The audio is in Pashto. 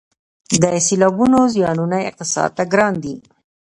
د سیلابونو زیانونه اقتصاد ته ګران دي